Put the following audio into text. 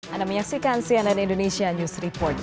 anda menyaksikan cnn indonesia news report